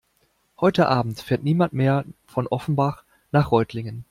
Heute Abend fährt niemand mehr von Offenbach nach Reutlingen